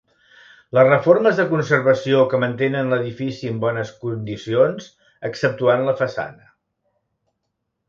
Les reformes de conservació que mantenen l'edifici en bones condicions exceptuant la façana.